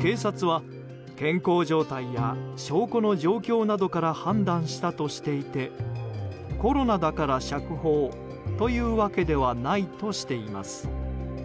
警察は、健康状態や証拠の状況などから判断したとしていてコロナだから釈放というわけではないとしています。